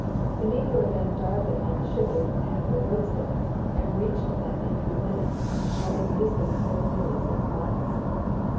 The meteor then darted on the shipping in the roadstead, and reached them in three minutes, although the distance was nearly six miles.